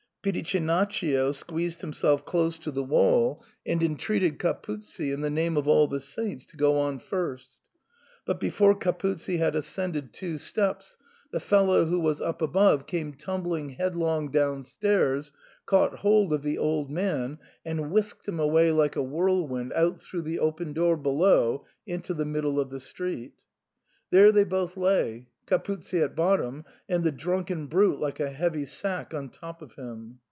Pitichinaccio squeezed himself close to the wall, and entreated Capuzzi, in the nj^me of all the saints, to go on first But before Capuzzi had ascended SIGNOR FORMICA. 107 two steps, the fellow who was up above came tumbling headlong downstairs, caught hold of the old man, and whisked him away like a whirlwind out through the open door below into the middle of the street. There they both lay, — Capuzzi at bottom and the drunken brute like a heavy sack on top of him.